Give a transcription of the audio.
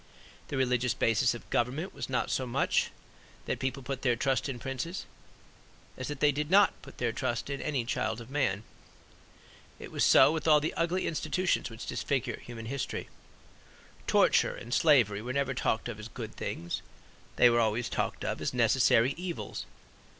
The religious basis of government was not so much that people put their trust in princes, as that they did not put their trust in any child of man. It was so with all the ugly institutions which disfigure human history. Torture and slavery were never talked of as good things; they were always talked of as necessary evils.